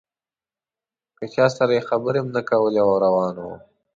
له چا سره یې خبرې هم نه کولې او روان و.